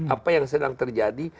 apa yang sedang terjadi